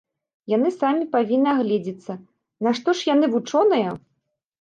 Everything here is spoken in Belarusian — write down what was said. Яны самі павінны агледзіцца, нашто ж яны вучоныя?